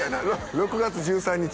６月１３日